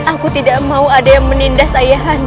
aku tidak mau ada yang menindas ayah anda